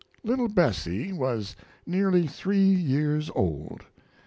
] Little Bessie was nearly three years old.